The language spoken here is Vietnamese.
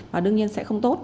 và đương nhiên sẽ không tốt